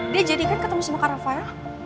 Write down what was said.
dia jadikan ketemu sama kak rafael